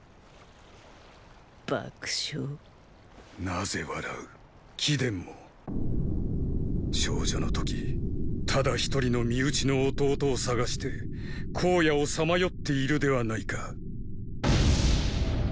なぜ笑う貴殿も少女の時唯一人の身内の弟を探して荒野をさまよっているではないか。